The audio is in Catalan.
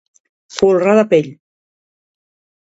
Folrar de pell.